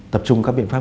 tập trung các biện pháp